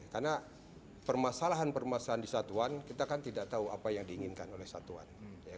karena permasalahan permasalahan di satuan kita kan tidak tahu apa yang diinginkan oleh satuan